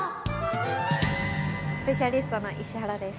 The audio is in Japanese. スペシャリストの石原です。